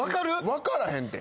分からへんって。